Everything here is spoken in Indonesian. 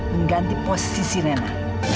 mengganti posisi rena